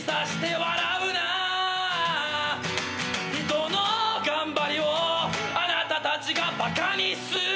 「人の頑張りをあなたたちがバカにするな」